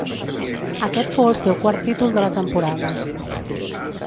Aquest fou el seu quart títol de la temporada.